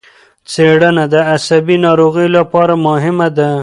څېړنه د عصبي ناروغیو لپاره مهمه ده.